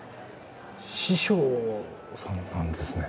司書さんなんですね